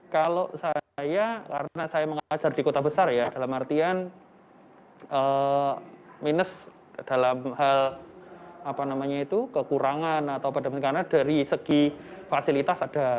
kalau saya karena saya mengajar di kota besar ya dalam artian minus dalam hal apa namanya itu kekurangan atau pada dari segi fasilitas ada